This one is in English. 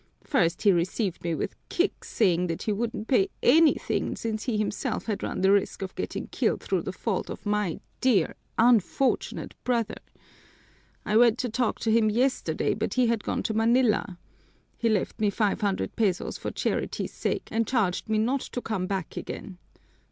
First he received me with kicks, saying that he wouldn't pay anything since he himself had run the risk of getting killed through the fault of my dear, unfortunate brother. I went to talk to him yesterday, but he had gone to Manila. He left me five hundred pesos for charity's sake and charged me not to come back again.